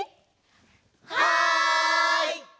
はい！